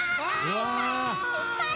いっぱい！